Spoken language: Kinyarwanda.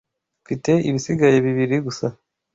Mfite ibisigaye bibiri gusa.